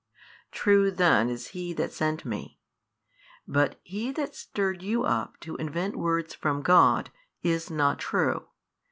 True then is He That sent Me, but he that stirred you up to invent words from God, is not true.